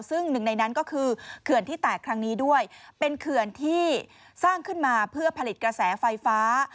ซึ่งหนึ่งในนั้นก็คือเขื่อนที่แตกครั้งนี้ด้วยเป็นเขื่อนที่สร้างขึ้นมาเพื่อผลิตกระแสไฟฟ้า